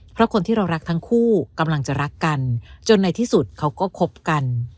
เพราะคนที่เรารักทั้งคู่กำลังจะรักกันจนในที่สุดเขาก็คบกัน